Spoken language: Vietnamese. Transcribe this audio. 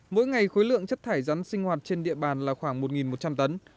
mỗi ngày khối lượng chất thải rắn sinh hoạt trên địa bàn là khoảng một một trăm linh tấn